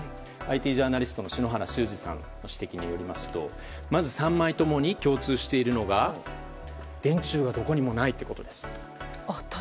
ＩＴジャーナリストの篠原修司さんの指摘によりますとまず３枚ともに共通しているのが電柱がどこにもないところです。